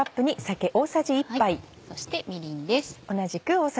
そしてみりんです。